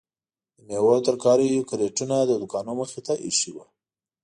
د میوو او ترکاریو کریټونه د دوکانو مخې ته ایښي وو.